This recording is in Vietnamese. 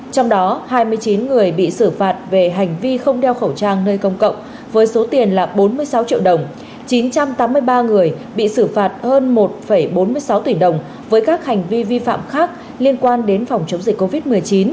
trong đó hai mươi chín người bị xử phạt về hành vi không đeo khẩu trang nơi công cộng với số tiền là bốn mươi sáu triệu đồng chín trăm tám mươi ba người bị xử phạt hơn một bốn mươi sáu tỷ đồng với các hành vi vi phạm khác liên quan đến phòng chống dịch covid một mươi chín